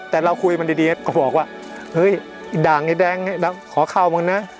แต่เราคุยมันดีก็บอกว่าเฮ้ยไอ้ด่างไอ้แดงขอเข้ามึงนะ